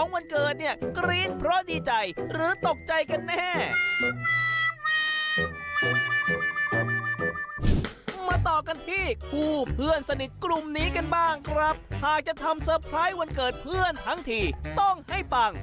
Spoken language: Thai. มาต่อกันที่คู่เพื่อนสนิทกลุ่มนี้กันบ้างครับหากจะทำเซอร์ไพรส์วันเกิดเพื่อนทั้งทีต้องให้ปัง